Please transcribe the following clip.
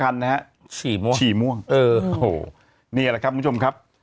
นี่แหละครับคุณผู้ชมครับ